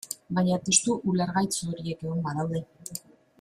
Baina testu ulergaitz horiek egon badaude.